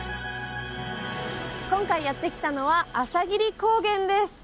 今回やって来たのは朝霧高原です。